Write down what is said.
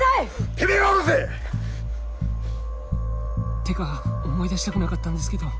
てめぇが下ろせ！ってか思い出したくなかったんですけど